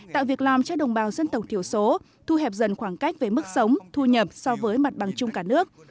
tạo việc làm cho đồng bào dân tộc thiểu số thu hẹp dần khoảng cách về mức sống thu nhập so với mặt bằng chung cả nước